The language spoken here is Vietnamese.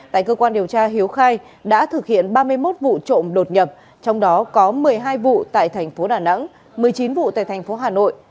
tại cơ quan điều tra hiếu khai đã thực hiện ba mươi một vụ trộm đột nhập trong đó có một mươi hai vụ tại tp đà nẵng một mươi chín vụ tại tp hà nội